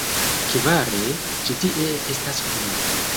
Kvare, ĉi tie estas homoj.